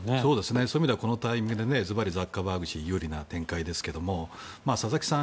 そういう意味ではこのタイミングでずばりザッカーバーグ氏に有利な展開ですが佐々木さん